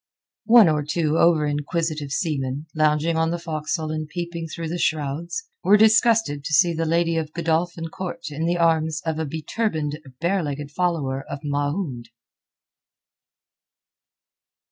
One or two over inquisitive seamen, lounging on the forecastle and peeping through the shrouds, were disgusted to see the lady of Godolphin Court in the arms of a beturbaned bare legged follower of Mahound.